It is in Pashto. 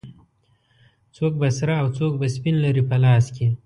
څوک به سره او څوک به سپین لري په لاس کې